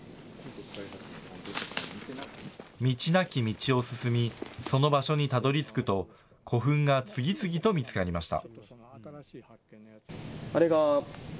道なき道を進み、その場所にたどりつくと、古墳が次々と見つかりました。